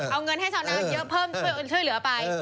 เอาเงินให้ชาวนาเยอะเพิ่มช่วยเหลือไป